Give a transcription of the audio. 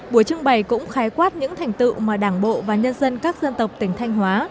buổi trưng bày cũng khái quát những thành tựu mà đảng bộ và nhân dân các dân tộc tỉnh thanh hóa